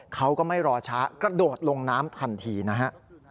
เขาก็ไม่รอช้ากระโดดลงน้ำทันทีนะฮะ